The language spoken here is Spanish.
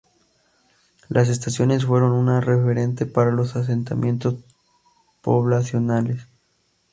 Las estaciones fueron un referente para los asentamientos poblacionales.